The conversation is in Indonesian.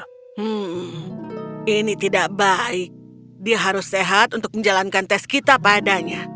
hmm ini tidak baik dia harus sehat untuk menjalankan tes kita padanya